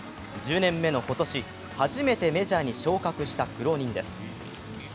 １０年目の今年、初めてメジャーに昇格した苦労人です。